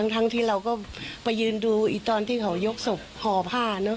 ทั้งที่เราก็ไปยืนดูอีกตอนที่เขายกศพห่อผ้าเนอะ